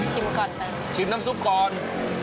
ชิมก่อนไปชิมน้ำซุปก่อน